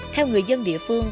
theo người dân địa phương